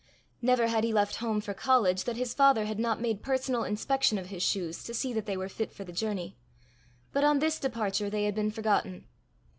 Never had he left home for college that his father had not made personal inspection of his shoes to see that they were fit for the journey, but on this departure they had been forgotten.